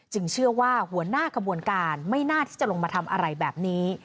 เชื่อว่าหัวหน้ากระบวนการไม่น่าที่จะลงมาทำอะไรแบบนี้